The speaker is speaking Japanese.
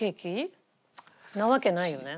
なわけないよね。